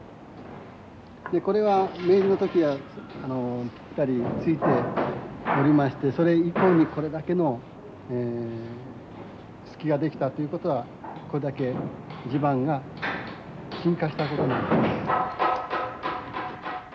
でこれは明治の時はぴったりついておりましてそれ以降にこれだけのええ隙が出来たということはこれだけ地盤が沈下したことになります。